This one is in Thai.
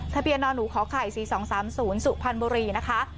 ทะเบียนอนหูขอไข่สี่สองสามศูนย์สู่พันบรีนะคะ